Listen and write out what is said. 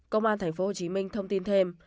công an tp hcm thông tin thêm